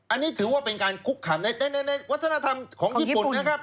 อันนี้ถือว่าเป็นการคุกคำในวัฒนธรรมของญี่ปุ่นนะครับ